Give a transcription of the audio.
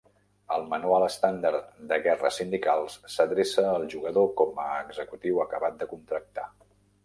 El manual estàndard de "Guerres sindicals" s'adreça al jugador com a executiu acabat de contractar.